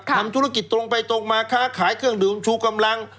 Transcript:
ทำธุรกิจตรงไปตรงมาค้าขายเครื่องดื่มชูกำลัง